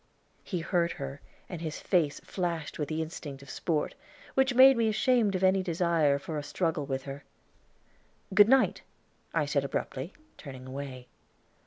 He heard her and his face flashed with the instinct of sport, which made me ashamed of any desire for a struggle with her. "Good night," I said abruptly, turning away.